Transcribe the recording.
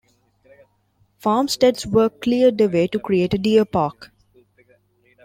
Farmsteads were cleared away to create a deer park.